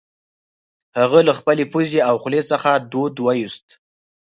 هغه له خپلې پوزې او خولې څخه دود وایوست